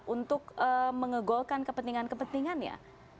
untuk mengegolkan kepentingan kepentingannya